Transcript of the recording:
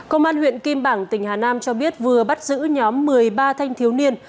công an huyện kim bảng tỉnh hà nam cho biết vừa bắt giữ nhóm một mươi ba thanh thiếu niên